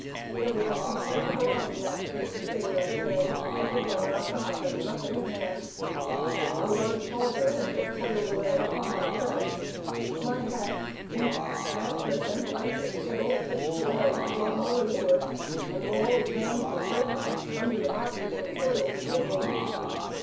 There was a complete "hurrah's nest," as the sailors say, "everything on top and nothing at hand." A large hawser had been coiled away upon my chest; my hats, boots, mattress and blankets had all fetched away and gone over leeward, and were jammed and broken under the boxes and coils of rigging.